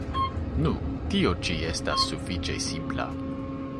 Nu, tio ĉi estas sufiĉe simpla.